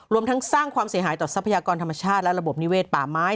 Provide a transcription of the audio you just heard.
รวมทั้งสร้างความเสียหายต่อทรัพยากรธรรมชาติและระบบนิเวศป่าไม้